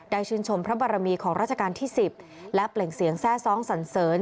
ชื่นชมพระบารมีของราชการที่๑๐และเปล่งเสียงแทร่ซ้องสันเสริญ